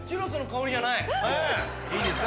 いいですか？